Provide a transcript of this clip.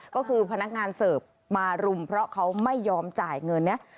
ก็คือพนักงานเสิร์ฟมารุมเพราะเขาไม่ยอมจ่ายเงินเนี่ย